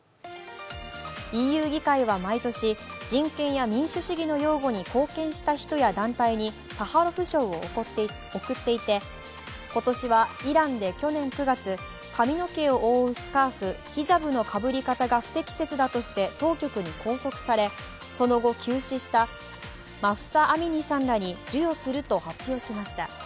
ＥＵ議会は毎年、人権や民主主義の擁護に貢献した人や団体にサハロフ賞を贈っていて今年はイランで去年９月髪の毛を覆うスカーフ、ヒジャブのかぶり方が不適切だとして当局に拘束され、その後、急死したマフサ・アミニさんらに授与すると発表しました。